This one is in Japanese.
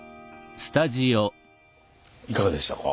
いかがでしたか。